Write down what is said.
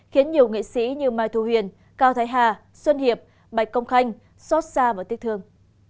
khiến nhiều nghệ sĩ như mai thu huyền cao thái hà xuân hiệp bạch công khanh xót xa và tiếc thương